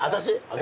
私？